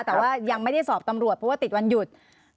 แต่ว่ายังไม่ได้สอบตำรวจเพราะว่าติดวันหยุด